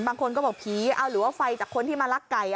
บางคนก็บอกผีเอาหรือว่าไฟจากคนที่มาลักไก่